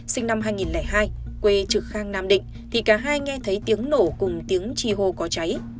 sinh năm hai nghìn hai quê trực khang nam định thì cả hai nghe thấy tiếng nổ cùng tiếng chi hô có cháy